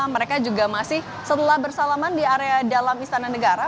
mereka juga masih setelah bersalaman di area dalam istana negara